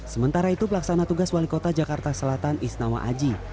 sementara itu pelaksana tugas wali kota jakarta selatan isnawa aji